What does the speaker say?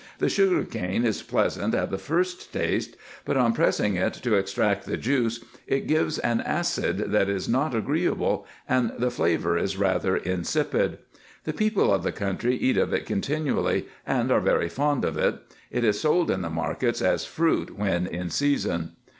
The sugar cane is pleasant at the first taste, but on pressing it to extract the juice, it gives an acid that is not agreeable, and the flavour is rather insipid. The people of the country eat of it continually, and are very fond of it. It is sold in the markets as fruit when in season.